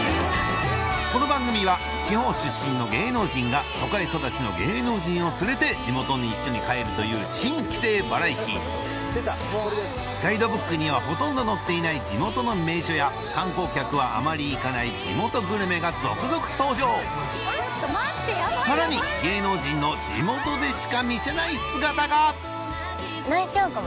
この番組は地方出身の芸能人が都会育ちの芸能人を連れて地元に一緒に帰るという新帰省バラエティーガイドブックにはほとんど載っていない地元の名所や観光客はあまり行かない地元グルメが続々登場さらに芸能人の泣いちゃうかも。